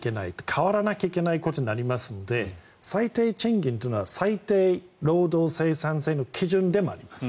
変わらなきゃいけないことになるので最低賃金というのは最低労働生産性の基準でもあります。